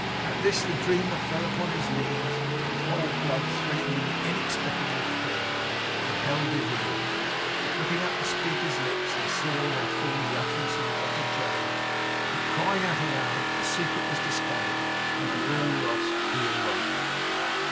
At this the dreamer fell upon his knees, his whole blood thrilling with inexplicable fear, and held his ears. But looking at the speaker's lips, he saw that they formed the utterance of the letter 'J'; and crying out aloud that the secret was discovered, and they were all lost, he awoke.